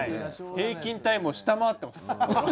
平均タイムを下回ってます。